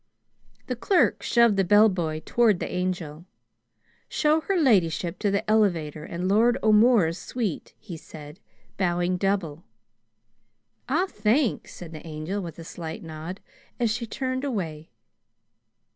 The clerk shoved the bellboy toward the Angel. "Show her ladyship to the elevator and Lord O'More's suite," he said, bowing double. "Aw, thanks," said the Angel with a slight nod, as she turned away.